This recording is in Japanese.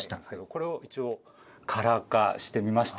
これを一応カラー化してみました。